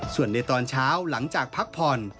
ส่วนในตอนเช้าหลังจากพักผ่อน